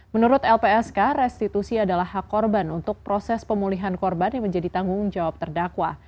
menurut lpsk restitusi adalah hak korban untuk proses pemulihan korban yang menjadi tanggung jawab terdakwa